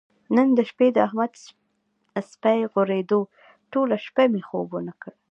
نن د شپې د احمد سپی غورېدو ټوله شپه یې مې خوب ونه کړ.